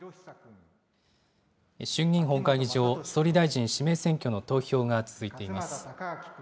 衆議院本会議場、総理大臣指名選挙の投票が続いています。